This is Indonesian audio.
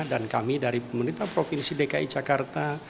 dan kami dari pemerintah provinsi dki jakarta